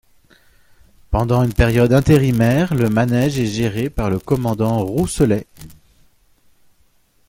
Pendant une période intérimaire, le Manège est géré par le commandant Rousselet.